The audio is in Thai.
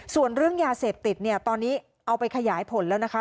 ส่วนเรื่องยาเสพติดเนี่ยตอนนี้เอาไปขยายผลแล้วนะคะ